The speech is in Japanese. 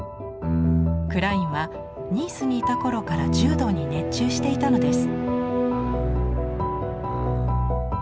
クラインはニースにいた頃から柔道に熱中していたのです。